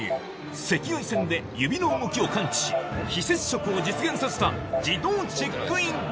赤外線で指の動きを感知し非接触を実現させた自動チェックイン機